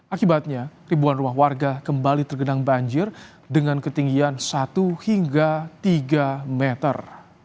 akibatnya ribuan rumah warga kembali tergenang banjir dengan ketinggian satu hingga tiga meter